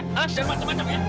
hah jangan macam macam ya